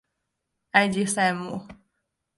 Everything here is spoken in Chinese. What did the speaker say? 埃吉赛姆。